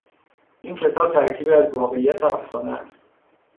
این کتاب ترکیبی از واقعیت و افسانه است.